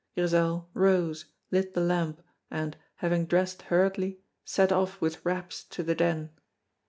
Grizel rose, lit the lamp, and, having dressed hurriedly, set off with wraps to the Den.